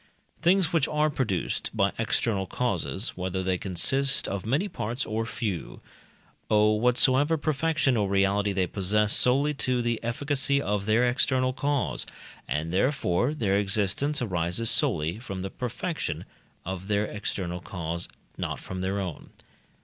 Things which are produced by external causes, whether they consist of many parts or few, owe whatsoever perfection or reality they possess solely to the efficacy of their external cause; and therefore their existence arises solely from the perfection of their external cause, not from their own.